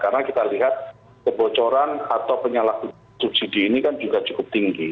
karena kita lihat kebocoran atau penyalah subsidi ini kan juga cukup tinggi